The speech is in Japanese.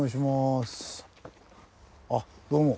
あっどうも。